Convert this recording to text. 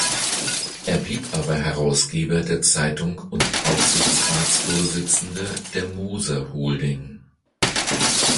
Er blieb aber Herausgeber der Zeitung und Aufsichtsratsvorsitzender der Moser Holding.